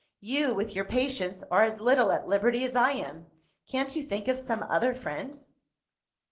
You, with your patients, are as little at liberty as I am. Can't you think of some other friend?"